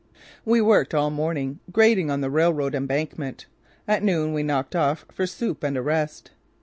We worked all morning, grading on the railroad embankment. At noon we knocked off for soup and a rest.